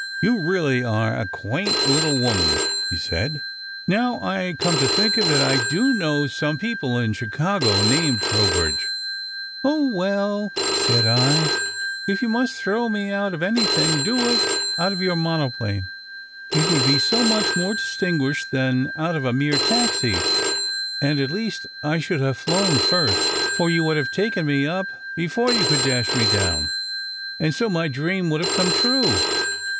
"You really are a quaint little woman," he said. "Now I come to think of it, I do know some people in Chicago named Trowbridge." SECRET HISTORY 21 "Oh, well," said I, "if you must throw me out of any thing, do it out of your monoplane. It would be so much more distinguished than out of a mere taxi. And at least, I should have flown first! For you would have to take me up before you could dash me down. And so my dream would have come true."